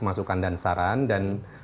masukan dan saran dan